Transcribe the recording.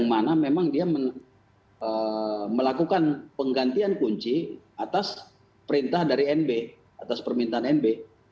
karena memang dia melakukan penggantian kunci atas perintah dari nb atas permintaan nb